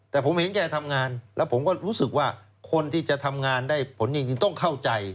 แต่ผมเห็นแกทำงานแล้วผมก็รู้สึกว่าคนที่จะทำงานได้ผลจริงต้องเข้าใจ